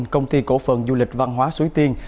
công ty cổ phần du lịch văn hóa suối tiên